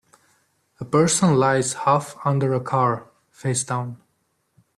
A person lies half under a car, facedown.